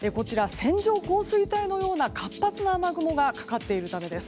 線状降水帯のような活発な雨雲がかかっているためです。